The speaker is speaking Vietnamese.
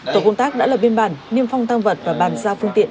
tổ công tác đã lập biên bản niêm phong tăng vật và bàn giao phương tiện